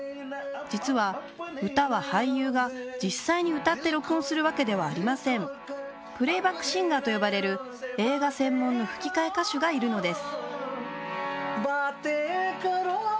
実は歌は俳優が実際に歌って録音するわけではありませんプレイバックシンガーと呼ばれる映画専門の吹き替え歌手がいるのです